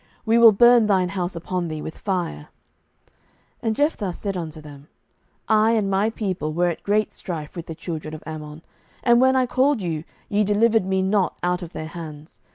we will burn thine house upon thee with fire. 07:012:002 And Jephthah said unto them, I and my people were at great strife with the children of Ammon; and when I called you, ye delivered me not out of their hands.